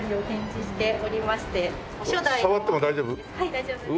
大丈夫です。